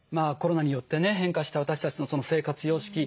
コロナによってね変化した私たちの生活様式